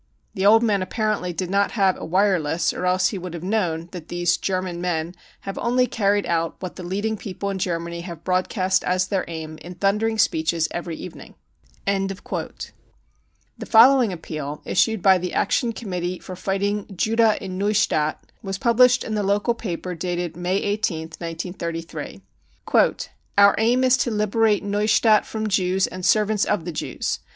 5 The old man apparently did not have a wireless, or else he would have known that these e German men 5 have enly carried out what the leading people in Germany have broadcast as their aim in thundering speeches every evening. 35 The following appeal, issued by the " Action Committee for fighting Judah in Neustadt 53 was published in the local paper dated May 18th, 1933 ; ec Our aim is to liberate Neustadt from JeWs and servants of the Jews.